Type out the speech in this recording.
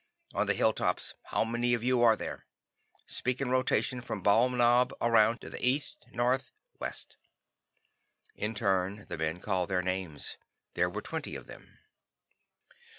On the hilltops, how many of you are there? Speak in rotation from Bald Knob around to the east, north, west." In turn the men called their names. There were twenty of them.